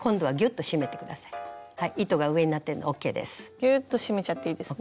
ギューッと締めちゃっていいですね？